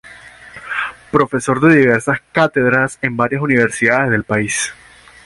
Profesor de diversas cátedras en varias Universidades del país.